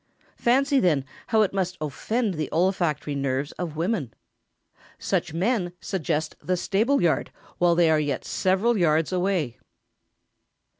Fancy, then, how it must offend the olfactory nerves of women. Such men suggest the stableyard while they are yet several yards away!